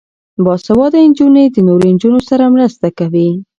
باسواده نجونې د نورو نجونو سره مرسته کوي.